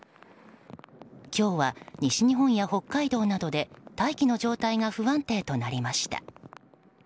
今日は西日本や北海道などで大気の状態が不安定となりました。